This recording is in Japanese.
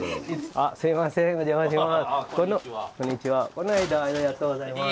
この間はありがとうございます。